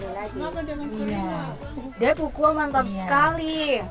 ini pukuah mantap sekali